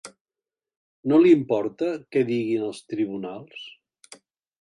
No li importa què diguin els tribunals?